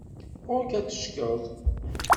Ɣur-k ad teccgeḍ.